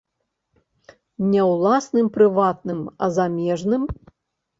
Не ўласным прыватным, а замежным?